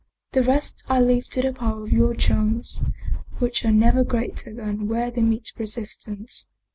The rest I leave to the power of your charms, which are never greater than where they meet resistance."